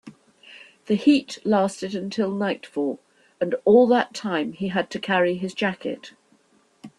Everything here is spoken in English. The heat lasted until nightfall, and all that time he had to carry his jacket.